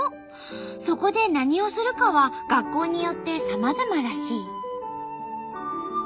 そこで何をするかは学校によってさまざまらしい。